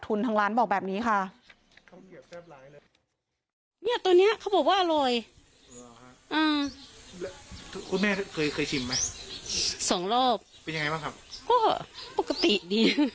อร่อยอืมคุณแม่เคยเคยชิมไหมสองรอบเป็นยังไงบ้างครับโอ้ปกติดี